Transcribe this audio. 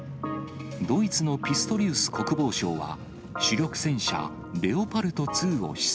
ドイツのピストリウス国防相は、主力戦車、レオパルト２を視察。